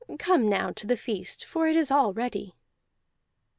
Come now to the feast, for it is all ready."